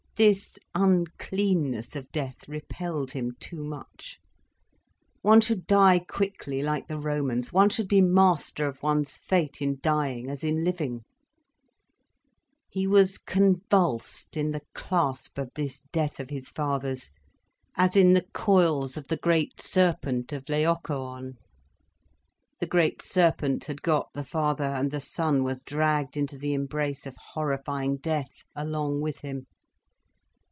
This uncleanness of death repelled him too much. One should die quickly, like the Romans, one should be master of one's fate in dying as in living. He was convulsed in the clasp of this death of his father's, as in the coils of the great serpent of Laocoön. The great serpent had got the father, and the son was dragged into the embrace of horrifying death along with him.